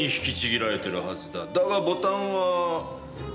だがボタンは。